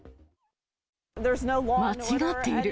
間違っている。